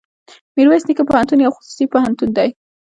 ميرويس نيکه پوهنتون يو خصوصي پوهنتون دی.